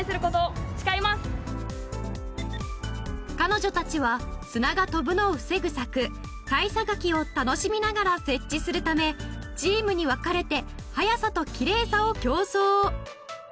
彼女たちは砂が飛ぶのを防ぐ柵堆砂垣を楽しみながら設置するためチームに分かれて速さときれいさを競争。